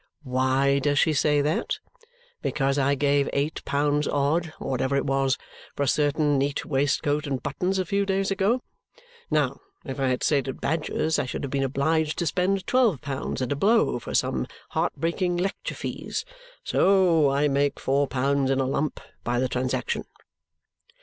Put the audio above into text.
Why does she say that? Because I gave eight pounds odd (or whatever it was) for a certain neat waistcoat and buttons a few days ago. Now, if I had stayed at Badger's I should have been obliged to spend twelve pounds at a blow for some heart breaking lecture fees. So I make four pounds in a lump by the transaction!"